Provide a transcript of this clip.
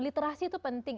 literasi itu penting